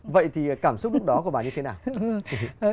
vậy thì cảm xúc lúc đó của bà như thế nào